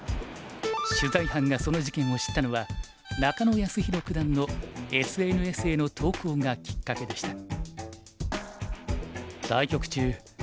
取材班がその事件を知ったのは中野泰宏九段のＳＮＳへの投稿がきっかけでした。